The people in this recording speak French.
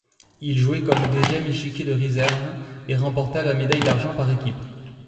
Il jouait comme deuxième échiquier de réserve et remporta la médaille d'argent par équipe.